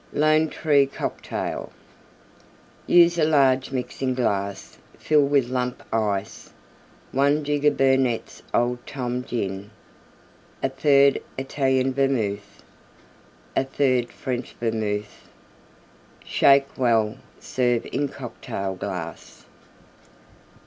LONE TREE COCKTAIL Use a large Mixing glass; fill with Lump Ice. 1 jigger Burnette's Old Tom Gin. 1/3 Italian Vermouth. 1/3 French Vermouth. \s+\d\d? Shake well; serve in Cocktail glass.